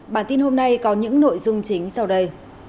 bản tin hôm nay có những nội dung chính sau đây